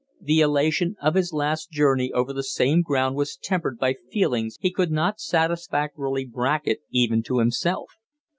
The elation of his last journey over the same ground was tempered by feelings he could not satisfactorily bracket even to himself.